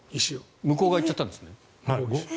向こう側行っちゃったんですって。